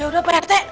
ya udah pak rt